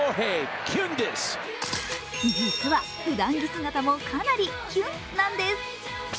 実は、普段着姿もかなりキュンなんです。